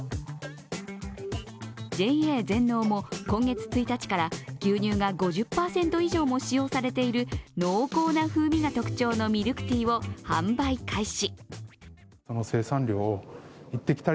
ＪＡ全農も今月１日から牛乳が５０％以上使用されている濃厚な風味が特徴のミルクティーを販売開始。